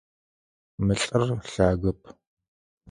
Мы лӏыр лъагэп.